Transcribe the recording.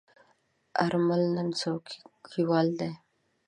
آرمل نن څوکیوال دی.